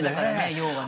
要はね。